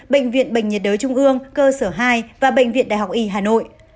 bệnh viện bệnh nhiệt đới trung ương cơ sở hai và bệnh viện đại học y hà nội